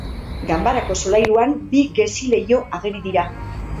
Ganbarako solairuan bi gezi-leiho ageri dira.